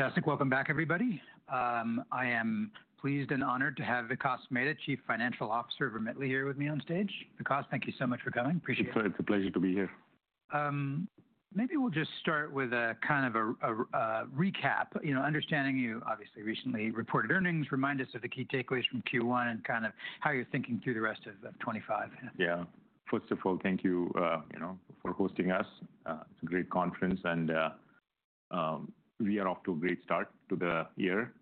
Fantastic. Welcome back, everybody. I am pleased and honored to have Vikas Mehta, Chief Financial Officer of Remitly, here with me on stage. Vikas, thank you so much for coming. Appreciate it. It's a pleasure to be here. Maybe we'll just start with a kind of a recap. Understanding you obviously recently reported earnings, remind us of the key takeaways from Q1 and kind of how you're thinking through the rest of 2025. Yeah. First of all, thank you for hosting us. It's a great conference, and we are off to a great start to the year.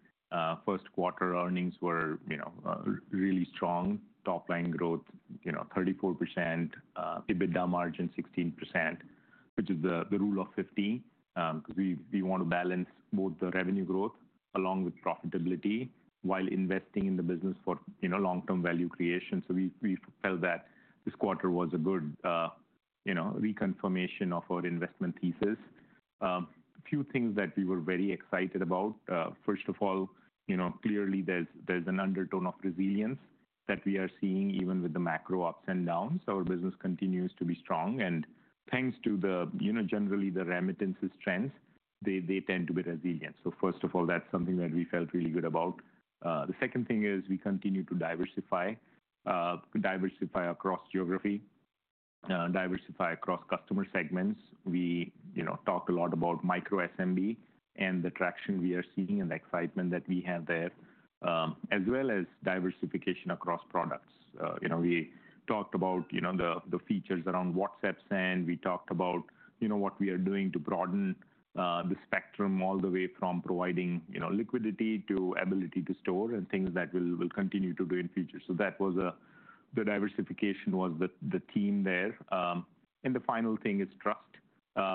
First quarter earnings were really strong. Top-line growth, 34%. EBITDA margin 16%, which is the rule of 15. We want to balance both the revenue growth along with profitability while investing in the business for long-term value creation. We felt that this quarter was a good reconfirmation of our investment thesis. A few things that we were very excited about. First of all, clearly there's an undertone of resilience that we are seeing even with the Macro Ups and Downs. Our business continues to be strong. Thanks to generally the remittances trends, they tend to be resilient. First of all, that's something that we felt really good about. The second thing is we continue to diversify across geography, diversify across customer segments. We talked a lot about micro SMB and the traction we are seeing and the excitement that we have there, as well as diversification across products. We talked about the features around WhatsApp SAN. We talked about what we are doing to broaden the spectrum all the way from providing liquidity to ability to store and things that we'll continue to do in future. That was the diversification was the theme there. The final thing is trust,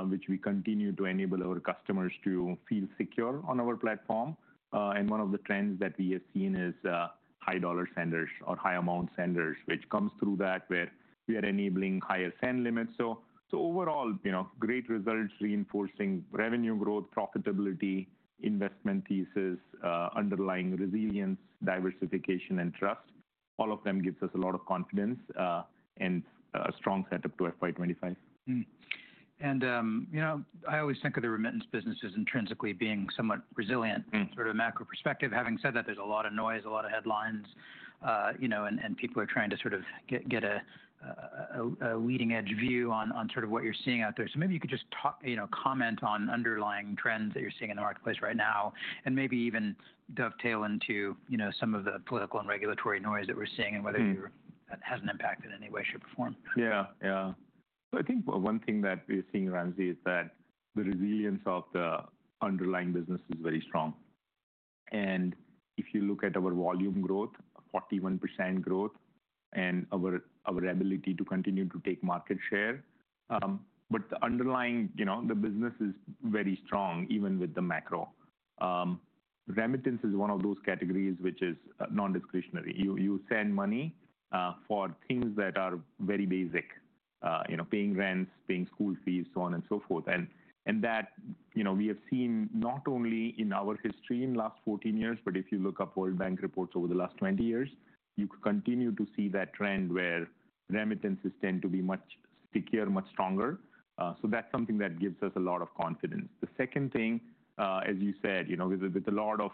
which we continue to enable our customers to feel secure on our platform. One of the trends that we have seen is high dollar senders or high amount senders, which comes through that where we are enabling higher SAN limits. Overall, great results reinforcing revenue growth, profitability, investment thesis, underlying resilience, diversification, and trust. All of them gives us a lot of confidence and a strong setup to FY 2025. I always think of the remittance businesses intrinsically being somewhat resilient from a Macro perspective. Having said that, there's a lot of noise, a lot of headlines, and people are trying to sort of get a leading-edge view on sort of what you're seeing out there. Maybe you could just comment on underlying trends that you're seeing in the marketplace right now and maybe even dovetail into some of the political and regulatory noise that we're seeing and whether that hasn't impacted in any way, shape, or form. Yeah. Yeah. I think one thing that we're seeing, Ramsey, is that the resilience of the underlying business is very strong. If you look at our volume growth, 41% growth, and our ability to continue to take market share. The underlying business is very strong even with the Macro. Remittance is one of those categories which is non-discretionary. You send money for things that are very basic: paying rents, paying school fees, so on and so forth. We have seen that not only in our history in the last 14 years, but if you look up World Bank reports over the last 20 years, you continue to see that trend where remittances tend to be much stickier, much stronger. That is something that gives us a lot of confidence. The second thing, as you said, with a lot of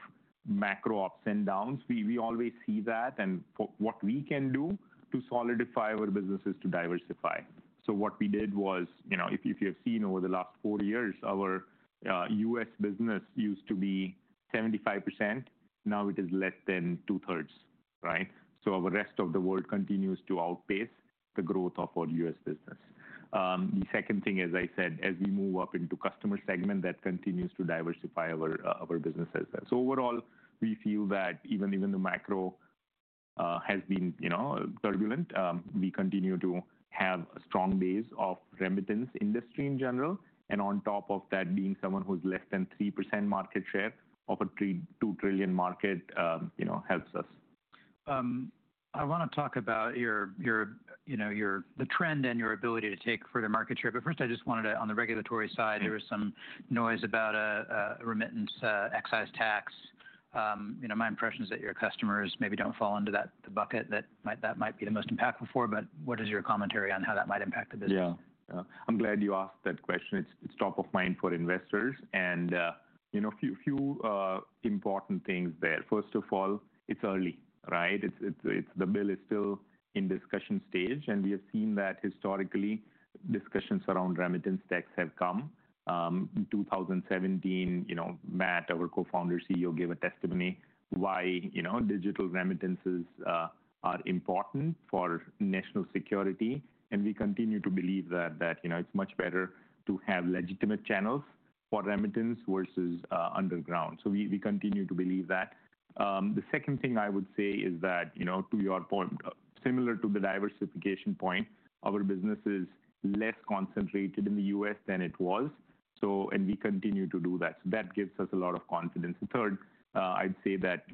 Macro Ups and Downs, we always see that and what we can do to solidify our business is to diversify. What we did was, if you have seen over the last four years, our U.S. business used to be 75%. Now it is less than two-thirds, right? The rest of the world continues to outpace the growth of our U.S. business. The second thing, as I said, as we move up into customer segment, that continues to diversify our businesses. Overall, we feel that even though Macro has been turbulent, we continue to have strong days of remittance industry in general. On top of that, being someone who's less than 3% market share of a $2 trillion market helps us. I want to talk about the trend and your ability to take further market share. First, I just wanted to, on the regulatory side, there was some noise about a remittance excise tax. My impression is that your customers maybe do not fall into the bucket that that might be the most impactful for. What is your commentary on how that might impact the business? Yeah. Yeah. I'm glad you asked that question. It's top of mind for investors. A few important things there. First of all, it's early, right? The bill is still in discussion stage. We have seen that historically, discussions around remittance tax have come. In 2017, Matt, our co-founder CEO, gave a testimony why digital remittances are important for national security. We continue to believe that it's much better to have legitimate channels for remittance versus underground. We continue to believe that. The second thing I would say is that, to your point, similar to the diversification point, our business is less concentrated in the U.S. than it was. We continue to do that. That gives us a lot of confidence. The third, I'd say that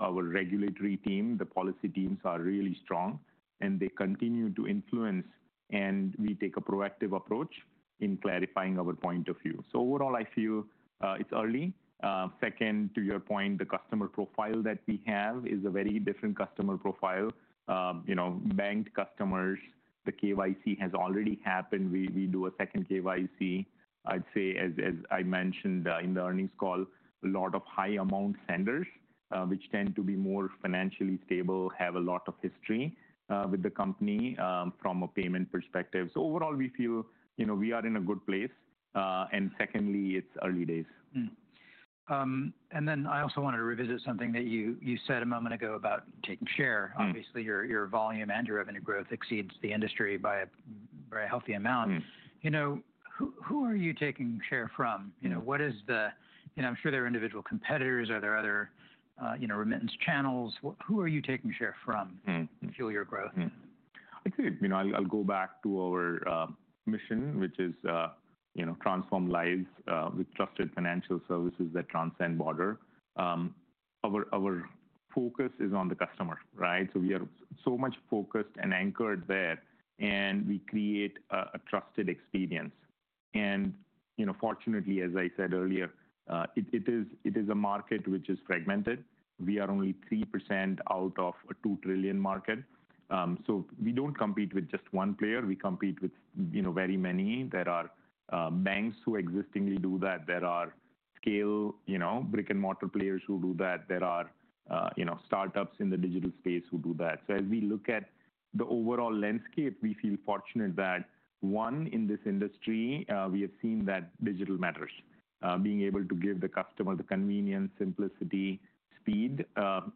our regulatory team, the policy teams, are really strong, and they continue to influence, and we take a proactive approach in clarifying our point of view. Overall, I feel it's early. Second, to your point, the customer profile that we have is a very different customer profile. Bank customers, the KYC has already happened. We do a second KYC. I'd say, as I mentioned in the earnings call, a lot of high-amount senders, which tend to be more financially stable, have a lot of history with the company from a payment perspective. Overall, we feel we are in a good place. Secondly, it's early days. I also wanted to revisit something that you said a moment ago about taking share. Obviously, your volume and your revenue growth exceeds the industry by a very healthy amount. Who are you taking share from? What is the—I'm sure there are individual competitors. Are there other remittance channels? Who are you taking share from to fuel your growth? I'd say I'll go back to our mission, which is transform lives with trusted financial services that transcend borders. Our focus is on the customer, right? We are so much focused and anchored there, and we create a trusted experience. Fortunately, as I said earlier, it is a market which is fragmented. We are only 3% out of a $2 trillion market. We do not compete with just one player. We compete with very many. There are banks who existingly do that. There are scale brick-and-mortar players who do that. There are startups in the digital space who do that. As we look at the overall landscape, we feel fortunate that, one, in this industry, we have seen that digital matters. Being able to give the customer the convenience, simplicity, speed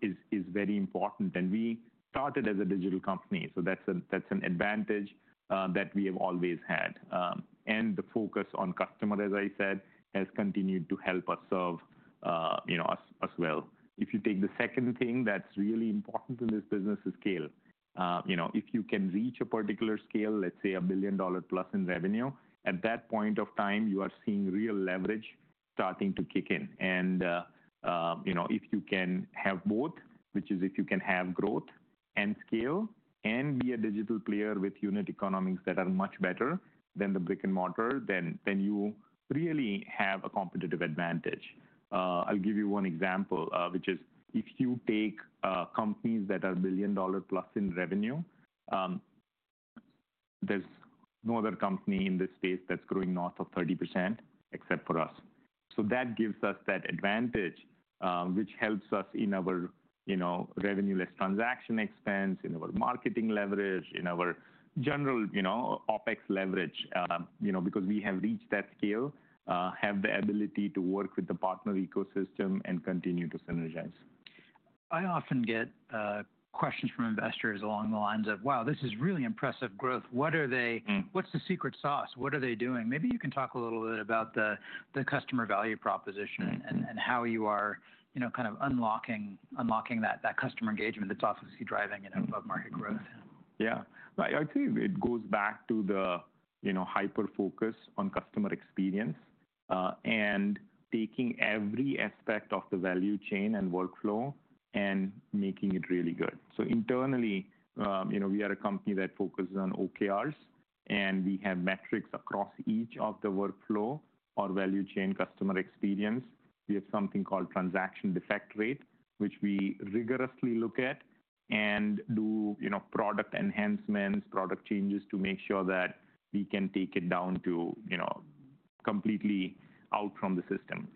is very important. We started as a digital company. That's an advantage that we have always had. The focus on customer, as I said, has continued to help us serve us well. If you take the second thing that's really important in this business, it is scale. If you can reach a particular scale, let's say a billion-dollar-plus in revenue, at that point of time, you are seeing real leverage starting to kick in. If you can have both, which is if you can have growth and scale and be a digital player with unit economics that are much better than the brick-and-mortar, then you really have a competitive advantage. I'll give you one example, which is if you take companies that are billion-dollar-plus in revenue, there's no other company in this space that's growing north of 30% except for us. That gives us that advantage, which helps us in our revenue-less transaction expense, in our marketing leverage, in our general OPEX leverage, because we have reached that scale, have the ability to work with the partner ecosystem, and continue to synergize. I often get questions from investors along the lines of, "Wow, this is really impressive growth. What's the secret sauce? What are they doing?" Maybe you can talk a little bit about the customer value proposition and how you are kind of unlocking that customer engagement that's obviously driving above-market growth. Yeah. I'd say it goes back to the hyper-focus on customer experience and taking every aspect of the value chain and workflow and making it really good. Internally, we are a company that focuses on OKRs, and we have metrics across each of the workflow or value chain customer experience. We have something called Transaction Defect Rate, which we rigorously look at and do product enhancements, product changes to make sure that we can take it down to completely out from the system.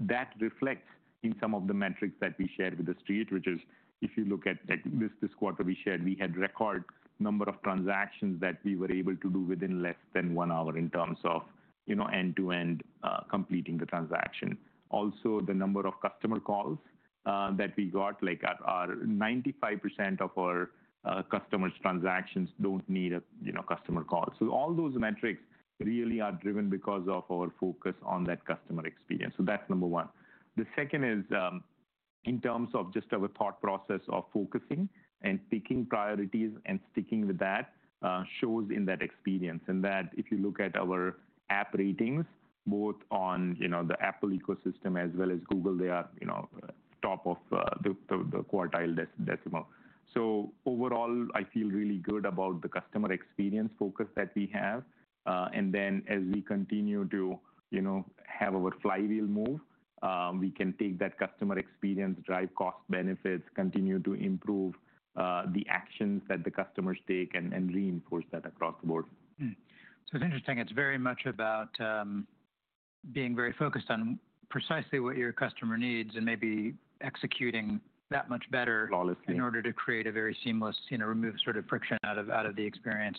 That reflects in some of the metrics that we shared with the street, which is if you look at this quarter we shared, we had record number of transactions that we were able to do within less than one hour in terms of end-to-end completing the transaction. Also, the number of customer calls that we got, like 95% of our customers' transactions don't need a customer call. All those metrics really are driven because of our focus on that customer experience. That is number one. The second is in terms of just our thought process of focusing and picking priorities and sticking with that shows in that experience. If you look at our App Ratings, both on the Apple ecosystem as well as Google, they are top of the quartile decimal. Overall, I feel really good about the customer experience focus that we have. As we continue to have our flywheel move, we can take that customer experience, drive cost benefits, continue to improve the actions that the customers take, and reinforce that across the board. It's interesting. It's very much about being very focused on precisely what your customer needs and maybe executing that much better in order to create a very seamless, remove sort of friction out of the experience.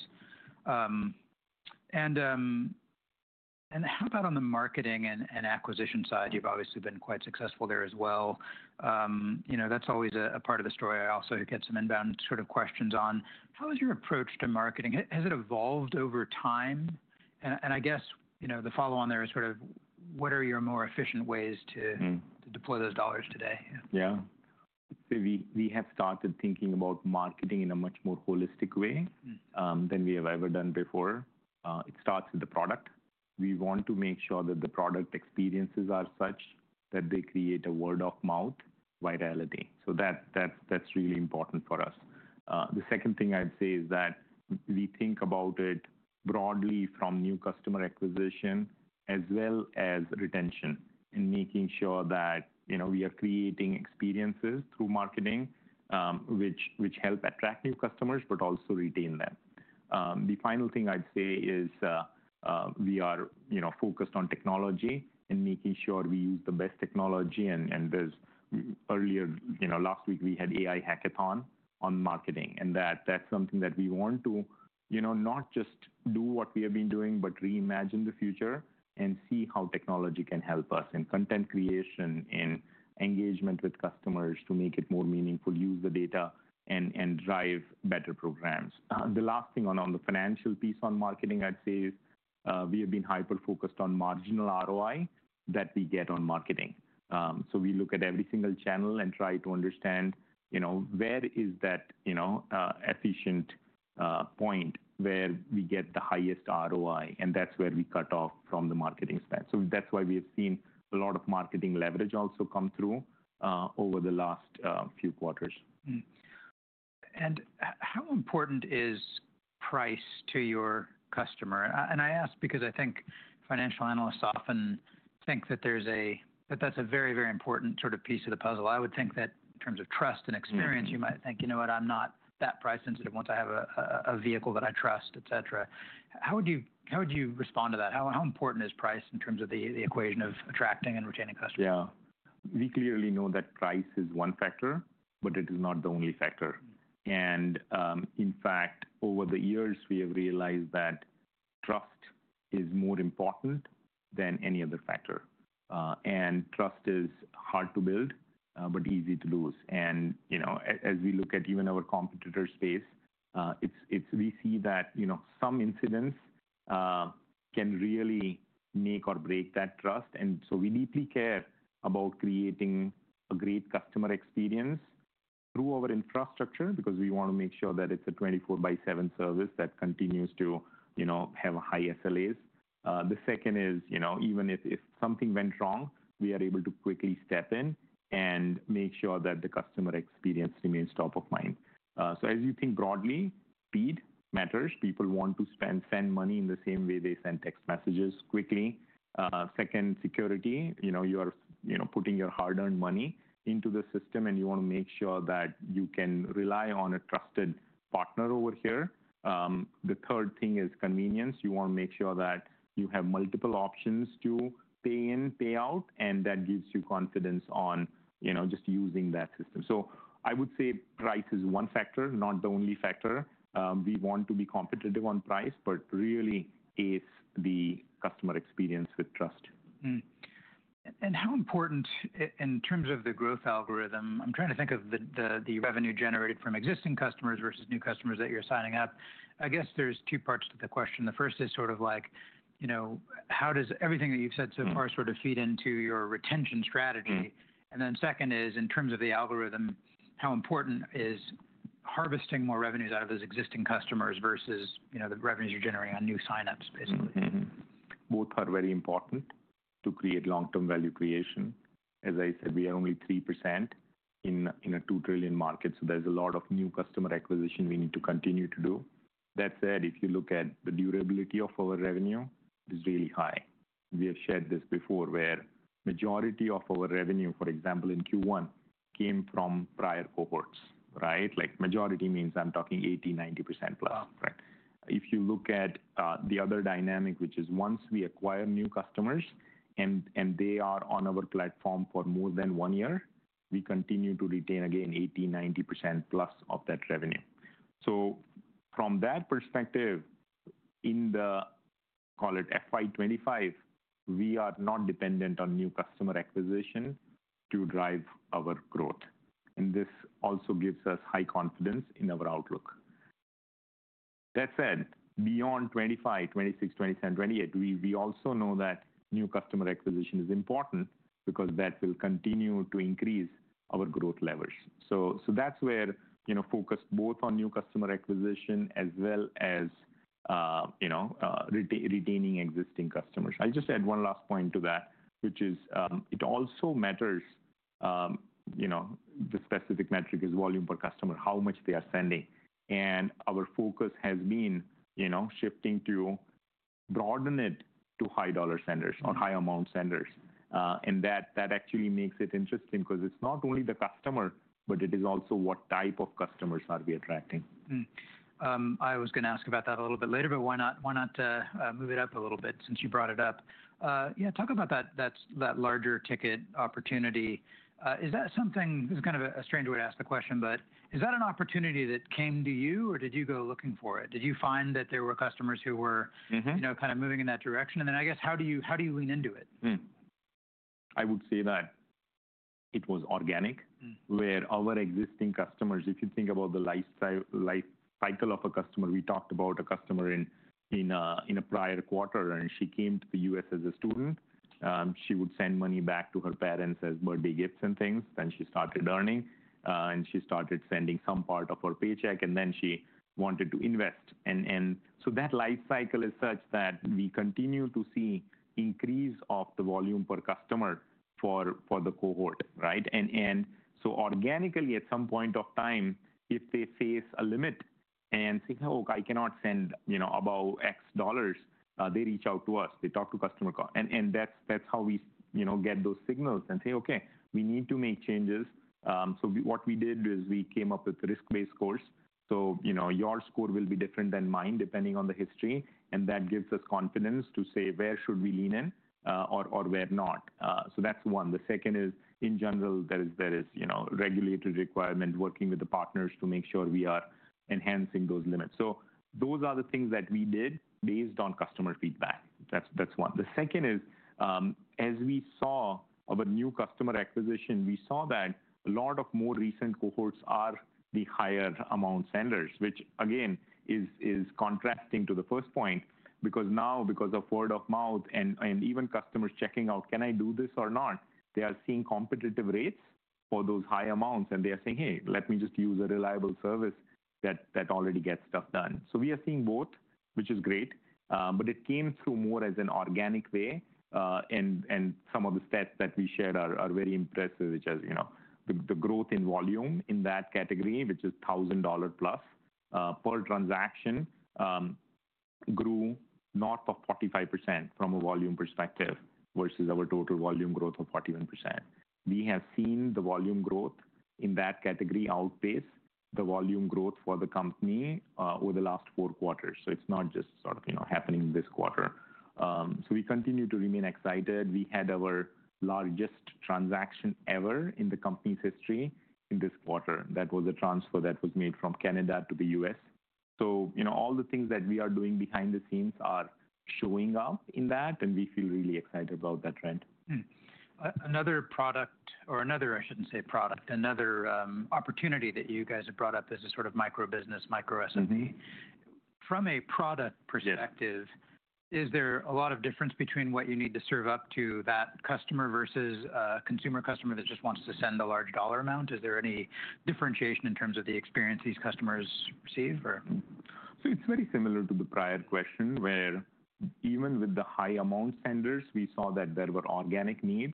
How about on the marketing and acquisition side? You've obviously been quite successful there as well. That's always a part of the story. I also get some inbound sort of questions on how is your approach to marketing? Has it evolved over time? I guess the follow-on there is sort of what are your more efficient ways to deploy those dollars today? Yeah. I'd say we have started thinking about marketing in a much more holistic way than we have ever done before. It starts with the product. We want to make sure that the product experiences are such that they create a word-of-mouth virality. That's really important for us. The second thing I'd say is that we think about it broadly from new customer acquisition as well as retention and making sure that we are creating experiences through marketing which help attract new customers but also retain them. The final thing I'd say is we are focused on technology and making sure we use the best technology. Last week, we had AI Hackathon on marketing. That is something that we want to not just do what we have been doing, but reimagine the future and see how technology can help us in content creation, in engagement with customers to make it more meaningful, use the data, and drive better programs. The last thing on the financial piece on marketing, I'd say is we have been hyper-focused on marginal ROI that we get on marketing. We look at every single channel and try to understand where is that efficient point where we get the highest ROI, and that is where we cut off from the marketing spend. That is why we have seen a lot of marketing leverage also come through over the last few quarters. How important is price to your customer? I ask because I think financial analysts often think that is a very, very important sort of piece of the puzzle. I would think that in terms of trust and experience, you might think, "You know what? I'm not that price-sensitive once I have a vehicle that I trust," etc. How would you respond to that? How important is price in terms of the equation of attracting and retaining customers? Yeah. We clearly know that price is one factor, but it is not the only factor. In fact, over the years, we have realized that trust is more important than any other factor. Trust is hard to build but easy to lose. As we look at even our competitor space, we see that some incidents can really make or break that trust. We deeply care about creating a great customer experience through our infrastructure because we want to make sure that it is a 24/7 service that continues to have high SLAs. The second is even if something went wrong, we are able to quickly step in and make sure that the customer experience remains top of mind. As you think broadly, speed matters. People want to spend, send money in the same way they send text messages quickly. Second, security. You are putting your hard-earned money into the system, and you want to make sure that you can rely on a trusted partner over here. The third thing is convenience. You want to make sure that you have multiple options to pay in, pay out, and that gives you confidence on just using that system. I would say price is one factor, not the only factor. We want to be competitive on price, but really it's the customer experience with trust. How important in terms of the growth algorithm? I'm trying to think of the revenue generated from existing customers versus new customers that you're signing up. I guess there's two parts to the question. The first is sort of how does everything that you've said so far sort of feed into your retention strategy? Then second is in terms of the algorithm, how important is harvesting more revenues out of those existing customers versus the revenues you're generating on new sign-ups, basically? Both are very important to create long-term value creation. As I said, we are only 3% in a $2 trillion market. There is a lot of new customer acquisition we need to continue to do. That said, if you look at the durability of our revenue, it is really high. We have shared this before where majority of our revenue, for example, in Q1, came from prior cohorts, right? Majority means I am talking 80%-90% plus, right? If you look at the other dynamic, which is once we acquire new customers and they are on our platform for more than one year, we continue to retain, again, 80%-90% plus of that revenue. From that perspective, in the, call it FY 2025, we are not dependent on new customer acquisition to drive our growth. This also gives us high confidence in our outlook. That said, beyond 2025, 2026, 2027, 2028, we also know that new customer acquisition is important because that will continue to increase our growth levers. That is where focus is both on new customer acquisition as well as retaining existing customers. I'll just add one last point to that, which is it also matters. The specific metric is volume per customer, how much they are sending. Our focus has been shifting to broaden it to high-dollar senders or high-amount senders. That actually makes it interesting because it is not only the customer, but it is also what type of customers are we attracting. I was going to ask about that a little bit later, but why not move it up a little bit since you brought it up? Yeah, talk about that larger ticket opportunity. Is that something, this is kind of a strange way to ask the question, but is that an opportunity that came to you, or did you go looking for it? Did you find that there were customers who were kind of moving in that direction? And then I guess how do you lean into it? I would say that it was organic where our existing customers, if you think about the lifecycle of a customer, we talked about a customer in a prior quarter, and she came to the U.S. as a student. She would send money back to her parents as birthday gifts and things. Then she started earning, and she started sending some part of her paycheck, and then she wanted to invest. That lifecycle is such that we continue to see increase of the volume per customer for the cohort, right? Organically, at some point of time, if they face a limit and say, "Oh, I cannot send above X dollars," they reach out to us. They talk to customer call. That's how we get those signals and say, "Okay, we need to make changes." What we did is we came up with a risk-based course. Your score will be different than mine depending on the history. That gives us confidence to say where should we lean in or where not. That's one. The second is, in general, there is regulatory requirement working with the partners to make sure we are enhancing those limits. Those are the things that we did based on customer feedback. That's one. The second is as we saw of a new customer acquisition, we saw that a lot of more recent cohorts are the higher-amount senders, which again is contrasting to the first point because now, because of word-of-mouth and even customers checking out, "Can I do this or not?" They are seeing competitive rates for those high amounts, and they are saying, "Hey, let me just use a reliable service that already gets stuff done." We are seeing both, which is great, but it came through more as an organic way. Some of the stats that we shared are very impressive, which is the growth in volume in that category, which is $1,000 plus per transaction, grew not by 45% from a volume perspective versus our total volume growth of 41%. We have seen the volume growth in that category outpace the volume growth for the company over the last four quarters. It is not just sort of happening this quarter. We continue to remain excited. We had our largest transaction ever in the company's history in this quarter. That was a transfer that was made from Canada to the U.S. All the things that we are doing behind the scenes are showing up in that, and we feel really excited about that trend. Another product or another, I shouldn't say product, another opportunity that you guys have brought up is a sort of micro-business, micro-SMB. From a product perspective, is there a lot of difference between what you need to serve up to that customer versus a consumer customer that just wants to send a large dollar amount? Is there any differentiation in terms of the experience these customers receive, or? It's very similar to the prior question where even with the high-amount senders, we saw that there were organic needs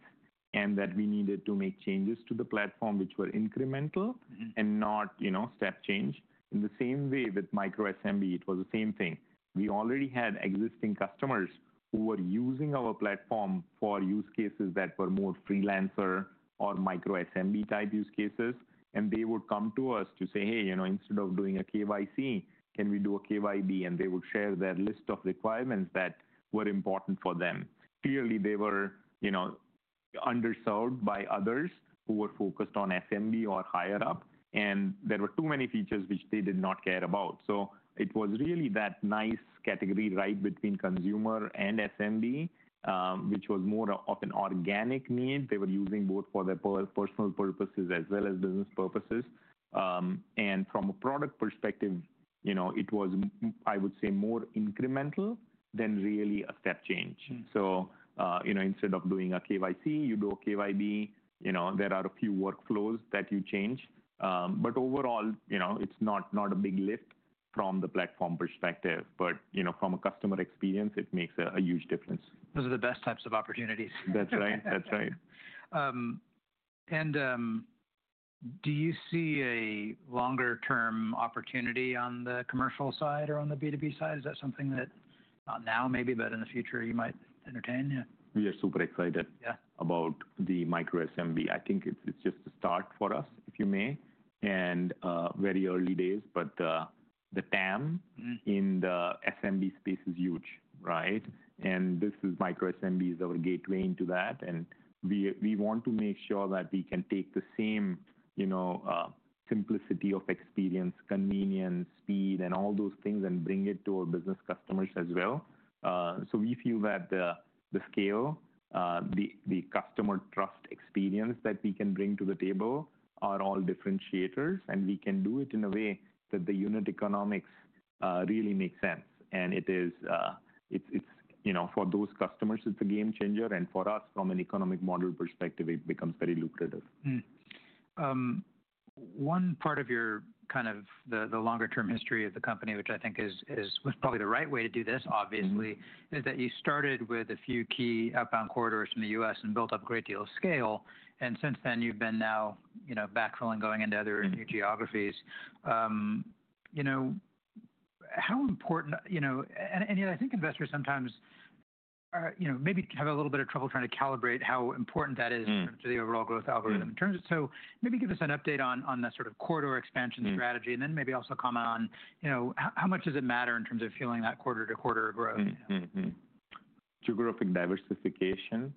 and that we needed to make changes to the platform, which were incremental and not step change. In the same way with micro-SMB, it was the same thing. We already had existing customers who were using our platform for use cases that were more freelancer or micro-SMB type use cases. They would come to us to say, "Hey, instead of doing a KYC, can we do a KYB?" They would share their list of requirements that were important for them. Clearly, they were underserved by others who were focused on SMB or higher up, and there were too many features which they did not care about. It was really that nice category right between consumer and SMB, which was more of an organic need. They were using both for their personal purposes as well as business purposes. From a product perspective, it was, I would say, more incremental than really a step change. Instead of doing a KYC, you do a KYB. There are a few workflows that you change. Overall, it's not a big lift from the platform perspective. From a customer experience, it makes a huge difference. Those are the best types of opportunities. That's right. That's right. Do you see a longer-term opportunity on the commercial side or on the B2B side? Is that something that not now maybe, but in the future you might entertain? We are super excited about the micro-SMB. I think it's just the start for us, if you may, and very early days. The TAM in the SMB space is huge, right? Micro-SMB is our gateway into that. We want to make sure that we can take the same simplicity of experience, convenience, speed, and all those things and bring it to our business customers as well. We feel that the scale, the customer trust experience that we can bring to the table are all differentiators. We can do it in a way that the unit economics really makes sense. For those customers, it's a game changer. For us, from an economic model perspective, it becomes very lucrative. One part of your kind of the longer-term history of the company, which I think is probably the right way to do this, obviously, is that you started with a few key outbound corridors in the U.S. and built up a great deal of scale. Since then, you've been now backfilling, going into other geographies. How important? I think investors sometimes maybe have a little bit of trouble trying to calibrate how important that is to the overall growth algorithm. Maybe give us an update on the sort of corridor expansion strategy, and then maybe also comment on how much does it matter in terms of fueling that quarter-to-quarter growth? Geographic diversification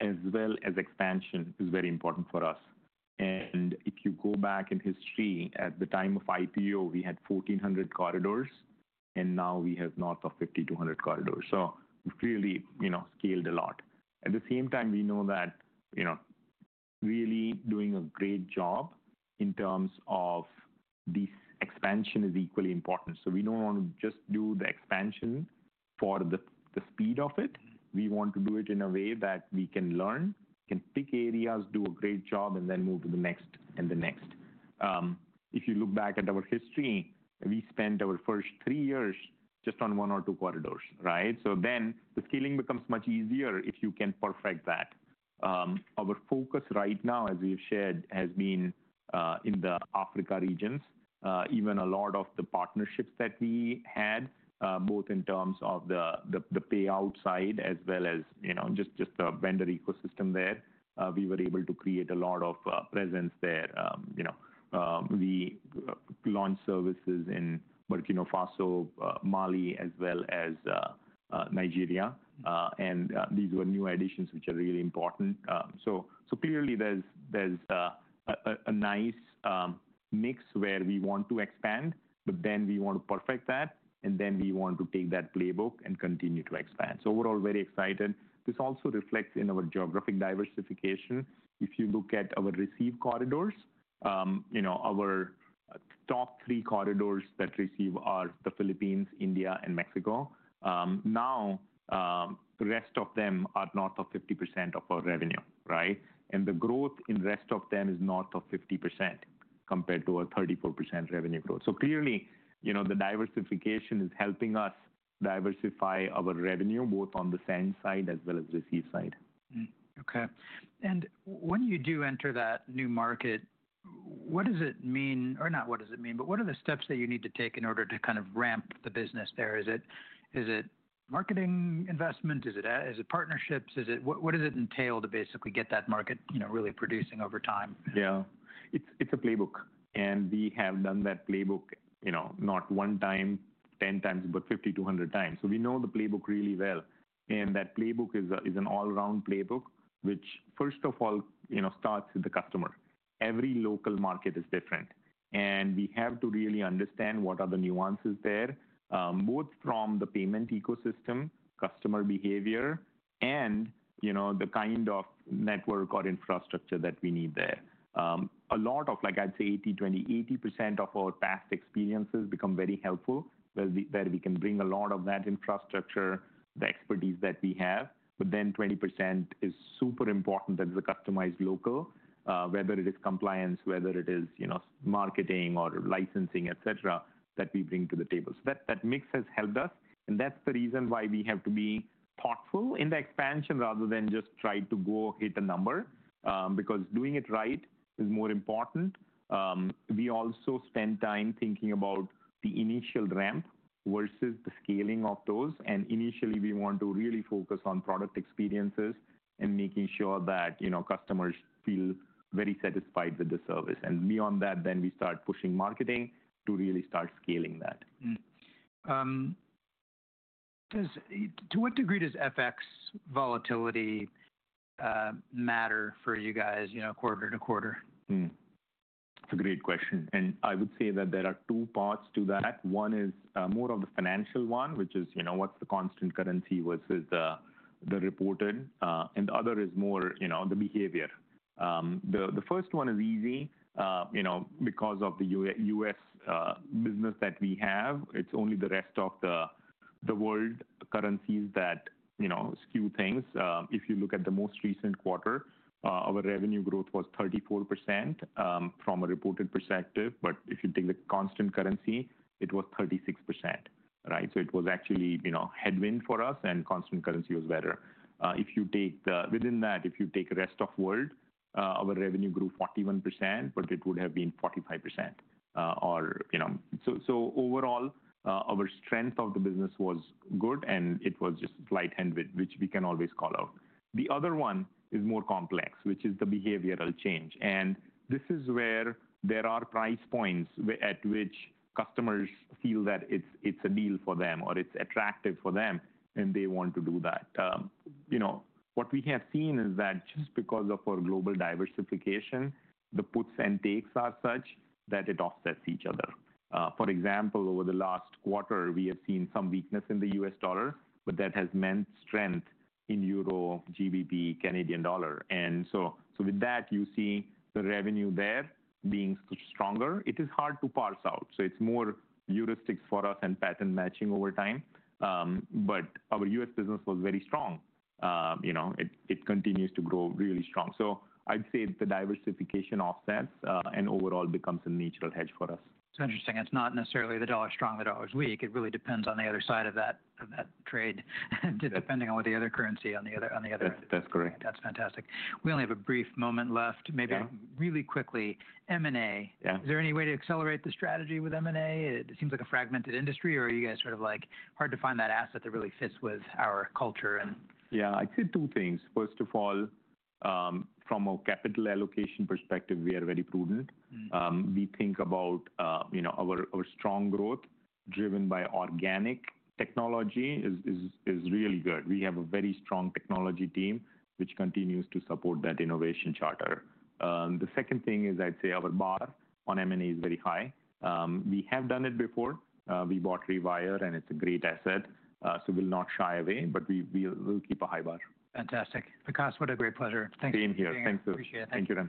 as well as expansion is very important for us. If you go back in history, at the time of IPO, we had 1,400 corridors, and now we have north of 5,200 corridors. We have really scaled a lot. At the same time, we know that really doing a great job in terms of this expansion is equally important. We do not want to just do the expansion for the speed of it. We want to do it in a way that we can learn, can pick areas, do a great job, and then move to the next and the next. If you look back at our history, we spent our first three years just on one or two corridors, right? The scaling becomes much easier if you can perfect that. Our focus right now, as we have shared, has been in the Africa regions. Even a lot of the partnerships that we had, both in terms of the payout side as well as just the vendor ecosystem there, we were able to create a lot of presence there. We launched services in Burkina Faso, Mali, as well as Nigeria. These were new additions which are really important. Clearly, there is a nice mix where we want to expand, but then we want to perfect that, and then we want to take that playbook and continue to expand. Overall, very excited. This also reflects in our geographic diversification. If you look at our receive corridors, our top three corridors that receive are the Philippines, India, and Mexico. Now, the rest of them are north of 50% of our revenue, right? The growth in the rest of them is north of 50% compared to our 34% revenue growth. Clearly, the diversification is helping us diversify our revenue both on the send side as well as receive side. Okay. When you do enter that new market, what does it mean? Or not what does it mean, but what are the steps that you need to take in order to kind of ramp the business there? Is it marketing investment? Is it partnerships? What does it entail to basically get that market really producing over time? Yeah. It's a playbook. And we have done that playbook not one time, 10 times, but 5,200 times. We know the playbook really well. That playbook is an all-round playbook, which first of all starts with the customer. Every local market is different. We have to really understand what are the nuances there, both from the payment ecosystem, customer behavior, and the kind of network or infrastructure that we need there. A lot of, like I'd say, 80/20, 80% of our past experiences become very helpful where we can bring a lot of that infrastructure, the expertise that we have. Then 20% is super important that is customized local, whether it is compliance, whether it is marketing or licensing, etc., that we bring to the table. That mix has helped us. That's the reason why we have to be thoughtful in the expansion rather than just try to go hit a number because doing it right is more important. We also spend time thinking about the initial ramp versus the scaling of those. Initially, we want to really focus on product experiences and making sure that customers feel very satisfied with the service. Beyond that, then we start pushing marketing to really start scaling that. To what degree does FX volatility matter for you guys quarter to quarter? It's a great question. I would say that there are two parts to that. One is more of the financial one, which is what's the constant currency versus the reported. The other is more the behavior. The first one is easy because of the U.S. business that we have. It's only the rest of the world currencies that skew things. If you look at the most recent quarter, our revenue growth was 34% from a reported perspective. If you take the constant currency, it was 36%, right? It was actually headwind for us, and constant currency was better. Within that, if you take rest of world, our revenue grew 41%, but it would have been 45%. Overall, our strength of the business was good, and it was just light-handed, which we can always call out. The other one is more complex, which is the behavioral change. This is where there are price points at which customers feel that it's a deal for them or it's attractive for them, and they want to do that. What we have seen is that just because of our global diversification, the puts and takes are such that it offsets each other. For example, over the last quarter, we have seen some weakness in the U.S. dollar, but that has meant strength in Euro, GBP, Canadian dollar. With that, you see the revenue there being stronger. It is hard to parse out. It is more heuristics for us and pattern matching over time. Our U.S. business was very strong. It continues to grow really strong. I'd say the diversification offsets and overall becomes a natural hedge for us. It's interesting. It's not necessarily the dollar's strong, the dollar's weak. It really depends on the other side of that trade, depending on what the other currency on the other end. That's correct. That's fantastic. We only have a brief moment left. Maybe really quickly, M&A. Is there any way to accelerate the strategy with M&A? It seems like a fragmented industry, or are you guys sort of like hard to find that asset that really fits with our culture? Yeah. I'd say two things. First of all, from a capital allocation perspective, we are very prudent. We think about our strong growth driven by organic technology is really good. We have a very strong technology team which continues to support that innovation charter. The second thing is, I'd say our bar on M&A is very high. We have done it before. We bought Rewire, and it's a great asset. We'll not shy away, but we'll keep a high bar. Fantastic. Vikas, what a great pleasure. Thank you. Same here. Thank you. Appreciate it. Thank you.